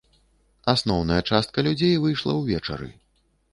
Асноўная частка людзей выйшла ўвечары.